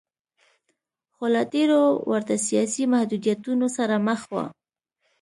خو له ډېرو ورته سیاسي محدودیتونو سره مخ و.